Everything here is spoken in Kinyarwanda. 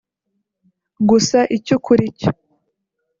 Gusa icy’ukuri cyo